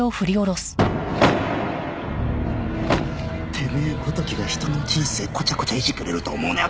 てめえごときが人の人生こちゃこちゃいじくれると思うなよ！